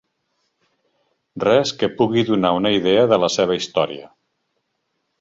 Res que pugui donar una idea de la seva història.